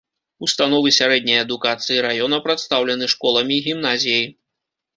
Установы сярэдняй адукацыі раёна прадстаўлены школамі, гімназіяй.